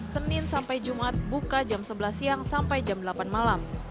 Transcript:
senin sampai jumat buka jam sebelas siang sampai jam delapan malam